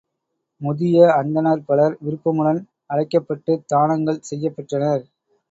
முதிய அந்தணர் பலர் விருப்பமுடன் அழைக்கப்பட்டுத் தானங்கள் செய்யப் பெற்றனர்.